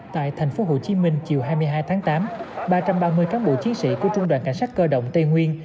tại tp hcm chiều hai mươi hai tháng tám ba trăm ba mươi cán bộ chiến sĩ của trung đoàn cảnh sát cơ động tây nguyên